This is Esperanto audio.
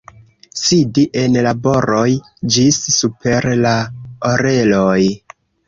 Sidi en laboroj ĝis super la oreloj.